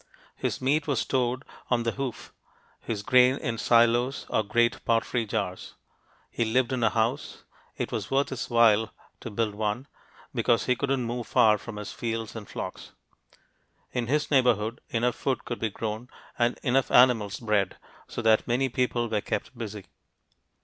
His meat was stored "on the hoof," his grain in silos or great pottery jars. He lived in a house: it was worth his while to build one, because he couldn't move far from his fields and flocks. In his neighborhood enough food could be grown and enough animals bred so that many people were kept busy.